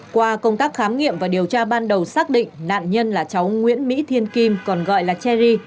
qua công tác khám nghiệm và điều tra ban đầu xác định nạn nhân là cháu nguyễn mỹ thiên còn gọi là cherry